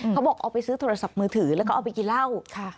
เขาบอกเอาไปซื้อโทรศัพท์มือถือแล้วก็เอาไปกินเหล้า